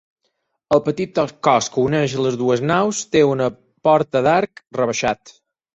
El petit cos que uneix les dues naus té una porta d'arc rebaixat.